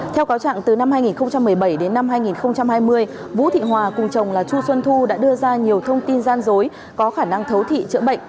theo cáo trạng từ năm hai nghìn một mươi bảy đến năm hai nghìn hai mươi vũ thị hòa cùng chồng là chu xuân thu đã đưa ra nhiều thông tin gian dối có khả năng thấu thị chữa bệnh